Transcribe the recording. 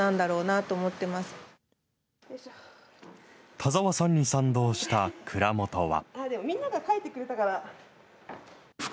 田澤さんに賛同した蔵元は。